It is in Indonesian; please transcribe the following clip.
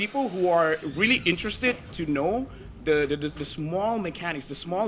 agar orang orang yang sangat tertarik untuk mengetahui mekanik kecil